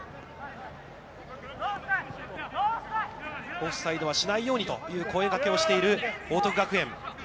オフサイドはしないようにという声がけをしている報徳学園。